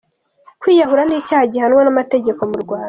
Kwiyahura n'icyaha gihanwa n'amategeko mu Rwanda.